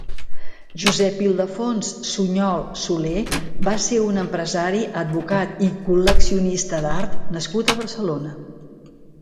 Josep Ildefons Suñol Soler va ser un empresari, advocat i col·leccionista d'art nascut a Barcelona.